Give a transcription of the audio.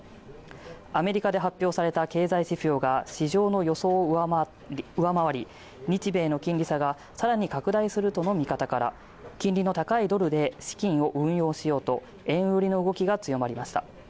アメリカで発表された経済指標が市場の予想を上回り日米の金利差がさらに拡大するとの見方から金利の高いドルで資金を運用しようと円売りの動きが強まりました